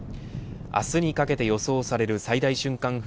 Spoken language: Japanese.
明日にかけて予想される最大瞬間